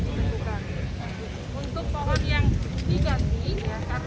special case karena kita ada aspek konservasi yang mau kita lakukan